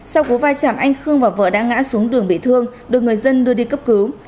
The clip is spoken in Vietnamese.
sau cuộc vai trạm anh khương và vợ đã ngã xuống đường bị thương được người dân đưa đi cấp cứu